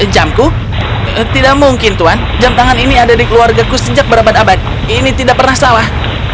jamku tidak mungkin tuan jam tangan ini ada di keluargaku sejak berabad abad ini tidak pernah salah